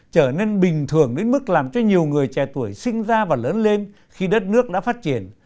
trở nên bình thường đến mức làm cho nhiều người trẻ tuổi sinh ra và lớn lên khi đất nước đã phát triển